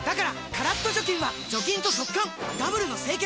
カラッと除菌は除菌と速乾ダブルの清潔！